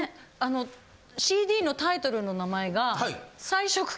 あのＣＤのタイトルの名前が。